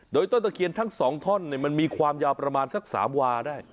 โดยต้นตะเคียนทั้ง๒ท่อนมันมีความยาวประมาณสัก๓วาได้